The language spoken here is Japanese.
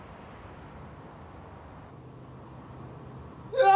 うわ！